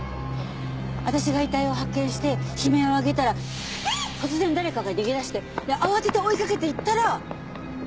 私が遺体を発見して悲鳴を上げたら突然誰かが逃げ出して慌てて追いかけていったら。